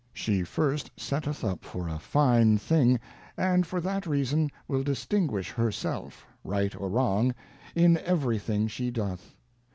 She first setteth up for a Fine thing, and for that Reason will distinguish her self, right or wrong, in every thing she doth.